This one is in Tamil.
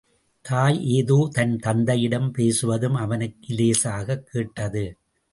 தாய் ஏதோ தன் தந்தையிடம் பேசுவதும் அவனுக்கு இலேசாகக் கேட்டது.